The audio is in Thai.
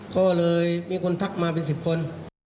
ก็เลยมีคนทักมาเป็น๑๐คน